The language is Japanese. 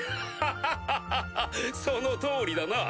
ハハハハその通りだな！